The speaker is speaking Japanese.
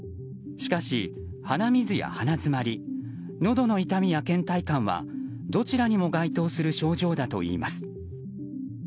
しかし鼻水や鼻づまりのどの痛みや倦怠感はどちらにも該当する症状だといいます。